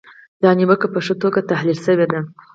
دا نیوکه په ښه توګه تحلیل شوې ده.